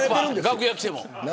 楽屋来ても。